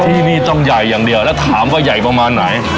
ที่นี่ต้องใหญ่อย่างเดียวแล้วถามว่าใหญ่ประมาณไหน